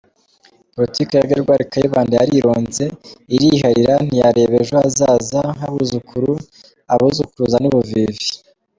Politiki ya Gregoire Kayibanda yarironze, iriharira ntiyareba ejo hazaza h’abuzukuru, abuzukuruza n’ubuvivi.